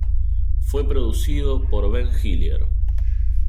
Fue producido por Ben Hillier.